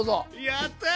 やった！